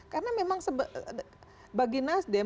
karena memang bagi nasdem